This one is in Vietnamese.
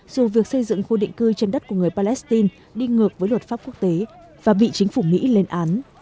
dù việc xây dựng khu định cư trên đất của người palestine đi ngược với luật pháp quốc tế và bị chính phủ mỹ lên án